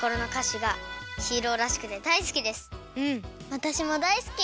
わたしもだいすき。